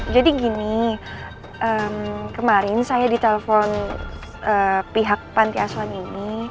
jadi gini kemarin saya ditelepon pihak panti asuhan ini